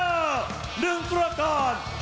สีฟ้าขวานึงตรการ